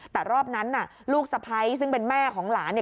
แต่รอบนั้นน่ะลูกสะพ้ายซึ่งเป็นแม่ของหลานเนี่ย